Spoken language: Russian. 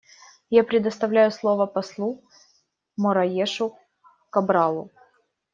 Я предоставляю слово послу Мораешу Кабралу.